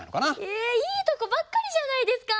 えいいとこばっかりじゃないですか。